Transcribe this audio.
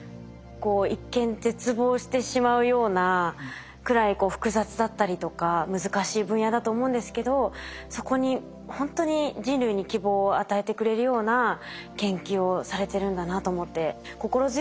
こう一見絶望してしまうようなくらい複雑だったりとか難しい分野だと思うんですけどそこにほんとに人類に希望を与えてくれるような研究をされてるんだなと思って心強いって感じました。